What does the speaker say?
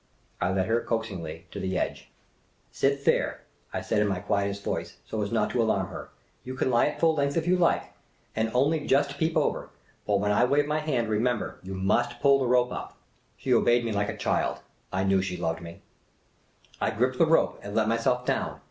I led her, coaxingly, to the edge. " Sit there," I said, in my quietest voice, so as not to alarm her. " You can lie at full length, if you like, and 138 Miss Cayley's Adventures I GRIPPED THE ROPE AND LET MYSELF DOWN. only just peep over. But when I wave my hand, remember, you must pull the rope up." She obeyed me like a child. I knew she loved me. I gripped the rope and let myself down.